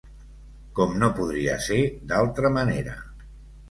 Com no podia ser d’altra manera.